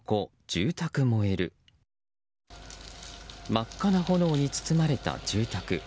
真っ赤な炎に包まれた住宅。